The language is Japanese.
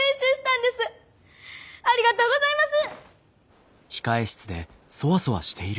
ありがとうございます。